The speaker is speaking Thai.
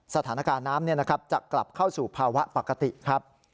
สถานการณ์น้ำจะกลับเข้าสู่ภาวะปกติครับ